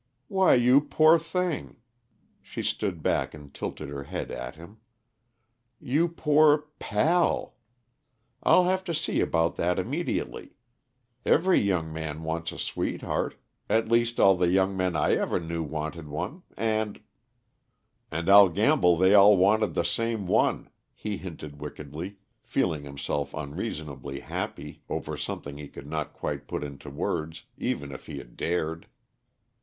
"Why, you poor thing!" She stood back and tilted her head at him. "You poor pal. I'll have to see about that immediately. Every young man wants a sweetheart at least, all the young men I ever knew wanted one, and " "And I'll gamble they all wanted the same one," he hinted wickedly, feeling himself unreasonably happy over something he could not quite put into words, even if he had dared.